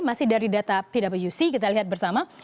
masih dari data pwc kita lihat bersama